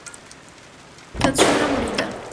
Tatsuya Morita